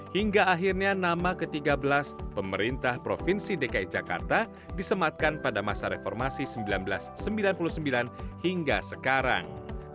hingga akhirnya nama ke tiga belas pemerintah provinsi dki jakarta disematkan pada masa reformasi seribu sembilan ratus sembilan puluh sembilan hingga sekarang